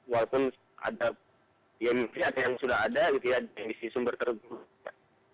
walaupun ada yang sudah ada gitu ya diisi sumber tersebut